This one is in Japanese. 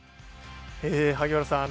萩原さん